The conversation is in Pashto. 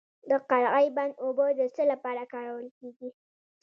د قرغې بند اوبه د څه لپاره کارول کیږي؟